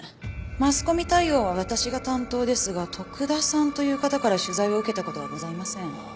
マスコミ対応は私が担当ですが徳田さんという方から取材を受けた事はございません。